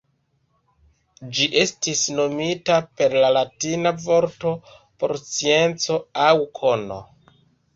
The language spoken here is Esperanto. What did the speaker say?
Ĝi estis nomita per la latina vorto por "scienco" aŭ "kono".